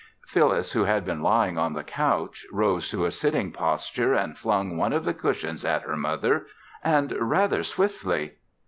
Phyllis, who had been lying on the couch, rose to a sitting posture and flung one of the cushions at her mother, and rather swiftly.